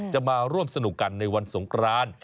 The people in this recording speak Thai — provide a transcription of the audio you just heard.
จะมาร่วมสนุกกันในวันสงคราน